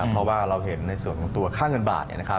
เพราะว่าเราเห็นในส่วนของตัวค่าเงินบาท